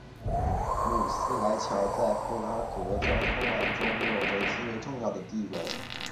努斯莱桥在布拉格交通网中有着极为重要的地位。